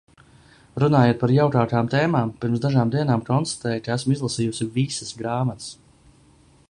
Runājot par jaukākām tēmām, pirms dažām dienām konstatēju, ka esmu izlasījusi visas grāmatas.